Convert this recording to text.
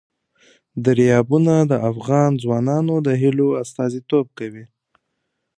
دریابونه د افغان ځوانانو د هیلو استازیتوب کوي.